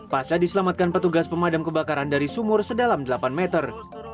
pasca diselamatkan petugas pemadam kebakaran dari sumur sedalam delapan meter